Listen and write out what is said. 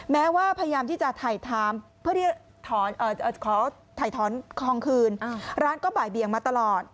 แม้ว่าพยายามที่จะถ่ายท้อนทองคืนร้านก็บ่ายเบียงมาตลอด